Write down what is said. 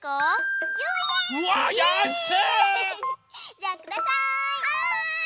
じゃあください。はい！